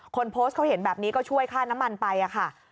คนโพสต์เขาเห็นแบบนี้ก็ช่วยค่าน้ำมันไปค่ะ